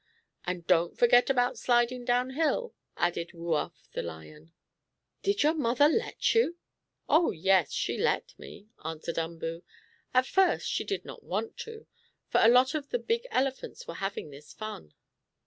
"And don't forget about sliding down hill," added Woo Uff, the lion. "Did your mother let you?" "Oh, yes, she let me," answered Umboo. "At first she did not want to, for a lot of the big elephants were having this fun.